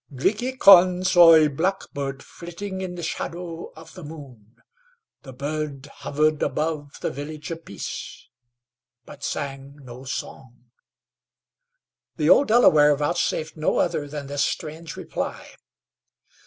"Glickhican saw a blackbird flitting in the shadow of the moon. The bird hovered above the Village of Peace, but sang no song." The old Delaware vouchsafed no other than this strange reply.